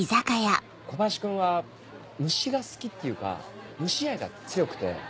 小林君は虫が好きっていうか虫愛が強くて。